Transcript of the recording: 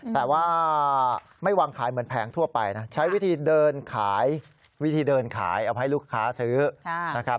แต่ว่าไม่วางขายเหมือนแผงทั่วไปนะใช้วิธีเดินขายวิธีเดินขายเอาให้ลูกค้าซื้อนะครับ